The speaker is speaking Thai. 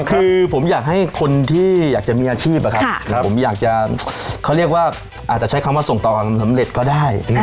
คือผมอยากให้คนที่อยากจะมีอาชีพผมอยากจะเขาเรียกว่าอาจจะใช้คำว่าส่งต่อความสำเร็จก็ได้